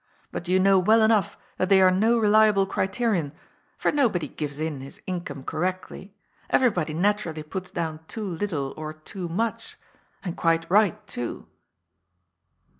But you know well enough that they are no reliable criterion, for nobody gives in his income correctly. Everybody natu rally puts down too little or too much. And quite right, too."